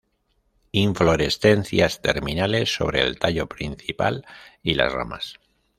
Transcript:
Inflorescencias terminales sobre el tallo principal y las ramas.